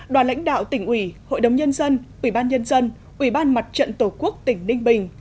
đoàn lãnh đạo tỉnh ủy hội đồng nhân dân ủy ban nhân dân ủy ban mặt trận tổ quốc tỉnh ninh bình